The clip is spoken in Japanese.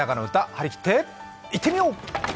張り切っていってみよう！